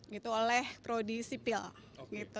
gitu oleh prodisipil gitu